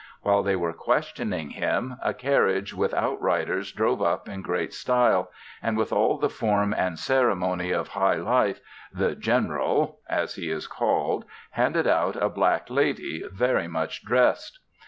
While they were questioning him, a carriage with out riders drove up in great style, and with all the form and ceremony of high life, "the General," as he is called, handed out a black lady, very much dressed.